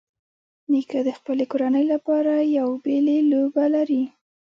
نیکه د خپلې کورنۍ لپاره یو بېلې لوبه لري.